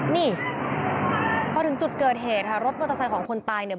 นี่พอถึงจุดเกิดเหตุค่ะรถมอเตอร์ไซค์ของคนตายเนี่ย